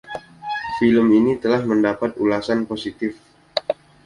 Film ini telah mendapat ulasan positif.